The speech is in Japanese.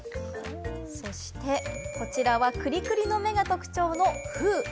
そしてこちらはクリクリの目が特徴のフウ。